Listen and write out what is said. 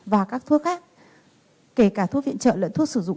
và các thuốc khác kể cả thuốc viện trợ lẫn thuốc sử dụng